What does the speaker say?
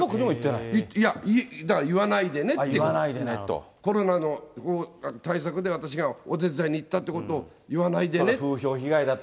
いや、言わないでねって、コロナの対策で私がお手伝いに行ったってことを言わないでねって。